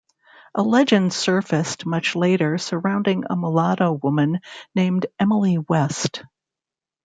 A legend surfaced much later surrounding a mulatto woman named Emily West.